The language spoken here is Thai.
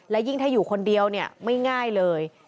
และยิ่งถ้าอยู่คนเดียวเนี่ยไม่ง่ายเลย